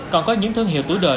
còn có những thương hiệu tuổi đời